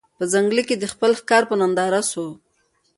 په ځنګله کي د خپل ښکار په ننداره سو